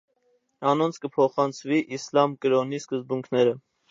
Անոնց կը փոխանցուի իսլամ կրօնքի սկզբունքները։